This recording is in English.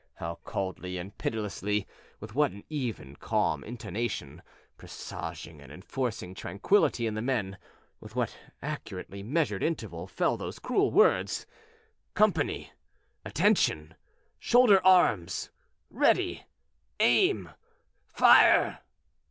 How coldly and pitilessly with what an even, calm intonation, presaging, and enforcing tranquillity in the men with what accurately measured intervals fell those cruel words: "Attention, company!... Shoulder arms!... Ready!... Aim!... Fire!"